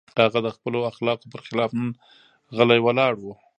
هغه د خپلو اخلاقو پر خلاف نن غلی ولاړ و.